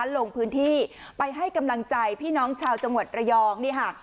ลงพื้นที่ไปให้กำลังใจพี่น้องชาวจังหวัดระยองนี่ค่ะ